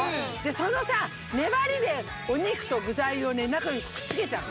そのさねばりでお肉とぐざいをねなかにくっつけちゃうの。